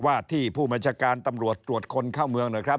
ว่าที่ผู้บัญชาการตำรวจตรวจคนเข้าเมืองหน่อยครับ